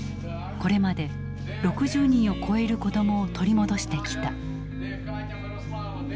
これまで６０人を超える子どもを取り戻してきた。